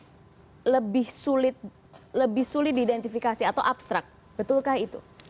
ada di ruu cipta kerja ini terkait lingkungan itu parameternya dikatakan lebih sulit diidentifikasi atau abstrak betulkah itu